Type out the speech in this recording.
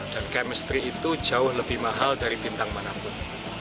dan kemestri itu jauh lebih mahal dari bintang manapun